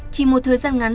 chỉ một thời gian ngắn